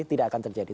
tidak akan terjadi